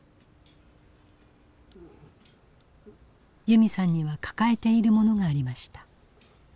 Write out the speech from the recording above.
由美さんには抱えているものがありました。